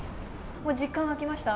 もう実感湧きました？